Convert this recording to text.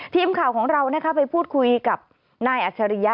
ทีมข่าวของเราไปพูดคุยกับนายอัจฉริยะ